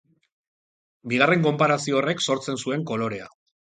Bigarren konparazio horrek sortzen zuen kolorea.